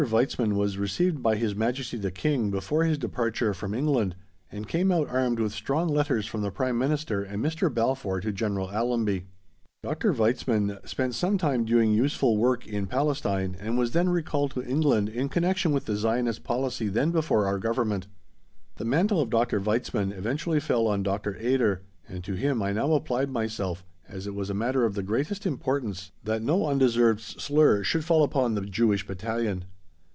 Weizmann was received by H.M. the King before his departure from England, and came out armed with strong letters from the Prime Minister and Mr. Balfour to General Allenby. Dr. Weizmann spent some time doing useful work in Palestine, and was then recalled to England in connection with the Zionist policy then before our Government. The mantle of Dr. Weizmann eventually fell on Dr. Eder, and to him I now applied myself, as it was a matter of the greatest importance that no undeserved slur should fall upon the Jewish Battalion.